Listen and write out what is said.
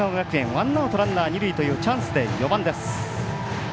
ワンアウトランナー、二塁というチャンスで４番です。